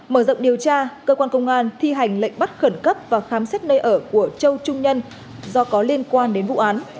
mở rộng điều tra cơ quan công an thi hành lệnh bắt khẩn cấp và khám xét nơi ở của châu trung nhân do có liên quan đến vụ án